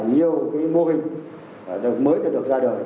nhiều mô hình mới đã được ra đời